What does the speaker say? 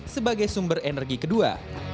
sebagai sumber energi kedua